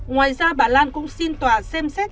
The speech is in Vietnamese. ngoài ra bà lan cũng xin tòa xem xét